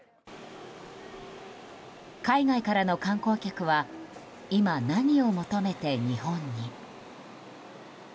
海外からの観光客は今、何を求めて日本に？